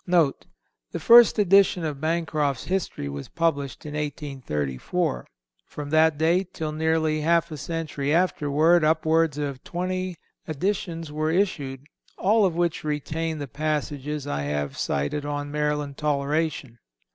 NOTE—The first edition of Bancroft's History was published in 1834. From that date till nearly half a century afterward upwards of twenty editions were issued, all of which retain the passages I have cited on Maryland toleration.